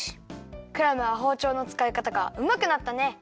クラムはほうちょうのつかいかたがうまくなったね！